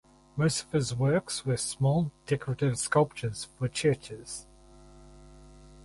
Most of his works were small decorative sculptures for churches.